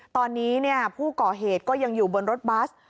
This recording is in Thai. ตอนนี้เนี่ยผู้เกาะเหตุก็ยังอยู่บนรถบัส